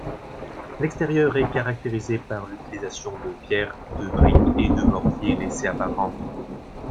L'extérieur est caractérisé par l'utilisation de pierres, de briques et de mortier laissés apparents.